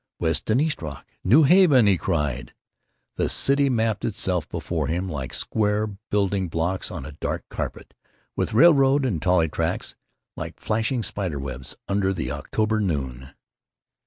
"West and East Rock—New Haven!" he cried. The city mapped itself before him like square building blocks on a dark carpet, with railroad and trolley tracks like flashing spider webs under the October noon.